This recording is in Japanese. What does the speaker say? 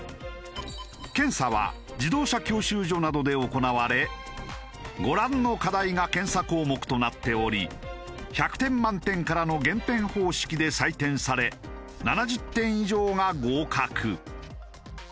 検査は自動車教習所などで行われご覧の課題が検査項目となっており１００点満点からの減点方式で採点され７０点以上が合格。